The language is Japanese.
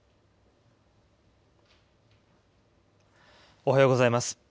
おはようございます。